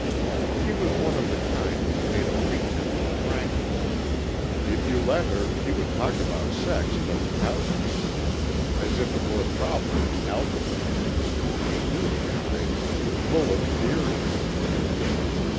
She was one of the kind who made a pretense of frankness. If you let her she would talk about sex till the cows came home, as if it were a problem in algebra. He knew the kind. Full of theories....